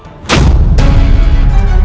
hukuman yang lebih berat lagi